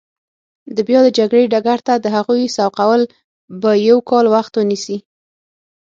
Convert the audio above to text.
د بیا د جګړې ډګر ته د هغوی سوقول به یو کال وخت ونیسي.